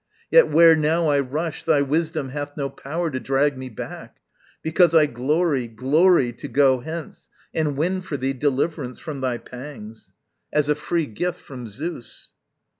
Yet where now I rush, Thy wisdom hath no power to drag me back; Because I glory, glory, to go hence And win for thee deliverance from thy pangs, As a free gift from Zeus.